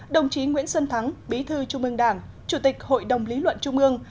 đồng chí nguyễn xuân thắng bí thư trung ương đảng chủ tịch hội đồng lý luận trung ương